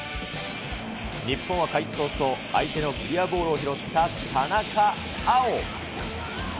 日本は開始早々、相手のクリアボールを拾った田中碧。